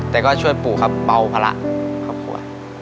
แต่ก็ช่วยปู่ครับเบาพละครับครับครับ